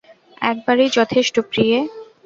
একবারই যথেষ্ট, প্রিয়ে।